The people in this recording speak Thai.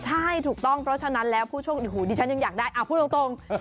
ใช่ถูกต้องเพราะฉะนั้นแล้วผู้โชคดีฉันยังอยากได้พูดตรง